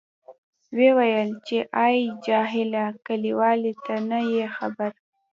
ویې ویل، چې آی جاهله کلیواله ته نه یې خبر.